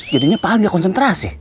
jadinya pak aldebaran gak konsentrasi